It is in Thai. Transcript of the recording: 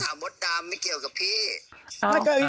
ต้องถามมดดำไม่เกี่ยวกับพี่